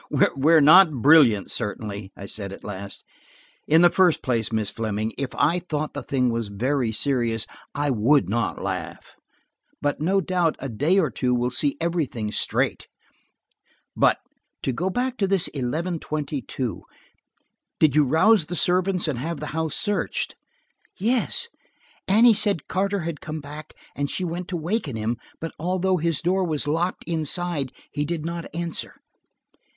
"We are not brilliant, certainly," I said at last. "In the first place, Miss Fleming, if I thought the thing was very serious I would not laugh–but no doubt a day or two will see everything straight. But, to go back to this eleven twenty two–did you rouse the servants and have the house searched?" "Yes, Annie said Carter had come back and she went to waken him, but although his door was locked inside, he did not answer.